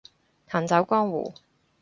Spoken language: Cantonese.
行走江湖